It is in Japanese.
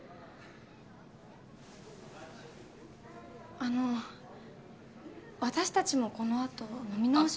あの私たちもこのあと飲み直します？